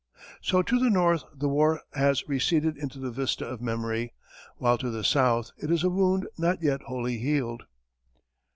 So to the North the war has receded into the vista of memory, while to the South it is a wound not yet wholly healed.